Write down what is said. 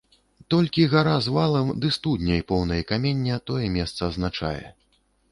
Толькі гара з валам ды студняй, поўнай камення, тое месца азначае.